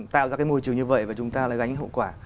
tạo ra cái môi trường như vậy và chúng ta lại gánh hậu quả